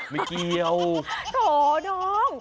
ไม่เกี่ยวโถน้อง